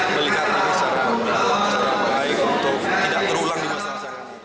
melihatnya secara baik untuk tidak terulang di masa masa yang akan datang